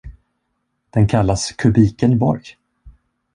Den kallas Kubikenborg.